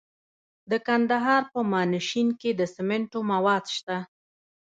د کندهار په میانشین کې د سمنټو مواد شته.